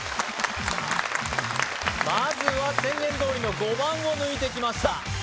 まずは宣言どおりの５番を抜いてきました